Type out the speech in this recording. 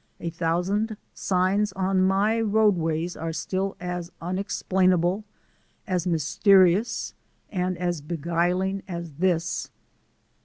A thousand signs on my roadways are still as unexplainable, as mysterious, and as beguiling as this.